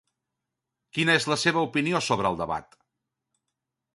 Quina és la seva opinió sobre el debat?